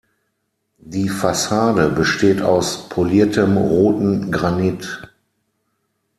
Die Fassade besteht aus poliertem roten Granit.